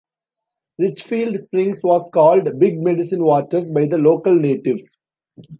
Richfield Springs was called "Big Medicine Waters" by the local natives.